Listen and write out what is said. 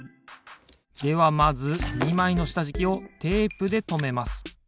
ではまず２まいのしたじきをテープでとめます。